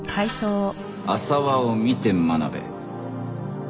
浅輪を見て学べ。